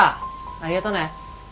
ありがとね。